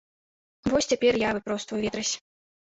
Вось цяпер я выпростваю ветразь.